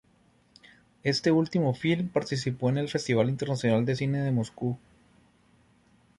Este último film participó en el Festival Internacional de Cine de Moscú.